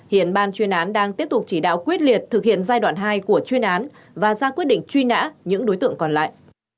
hiện ban chuyên án đang tiếp tục chỉ đạo quyết liệt thực hiện giai đoạn hai của chuyên án và ra quyết định truy nã những đối tượng còn lại